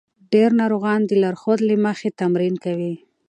ډېر ناروغان د لارښود له مخې تمرین کوي.